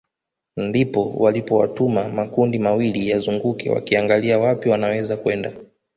Ndipo walipowatuma makundi mawili yazunguke wakiangalia wapi wanaweza kwenda